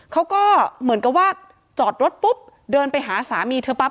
เขาก็เหมือนกับว่าจอดรถปุ๊บเดินไปหาสามีเธอปั๊บ